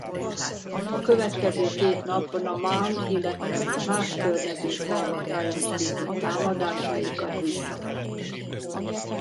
A következő két napban a Ma’an illetve más környező falvak ellen indított támadásaikat visszaverték.